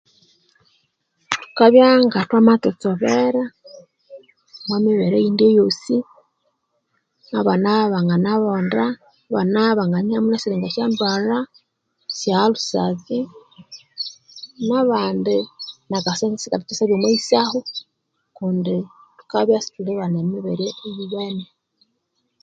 Thukabya ngathwamatsotsobera omwa mibere eyindi eyosi nabana bangana bonda, abana banganiha mwe esiringa syandwalha nesya Ulcers, nabandi nakasente sikalithasyabya omwa yisaho kundi thukabya isithulibana emibere eyiwene.